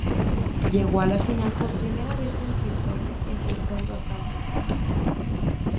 Llegó a la final por primera vez en su historia, enfrentando a Santos.